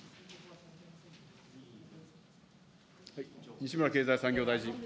西村経済産業大臣。